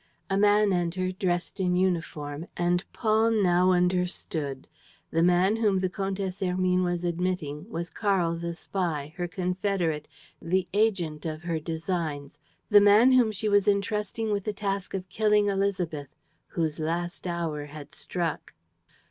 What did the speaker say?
A man entered, dressed in uniform. And Paul now understood. The man whom the Comtesse Hermine was admitting was Karl the spy, her confederate, the agent of her designs, the man whom she was entrusting with the task of killing Élisabeth, whose last hour had struck.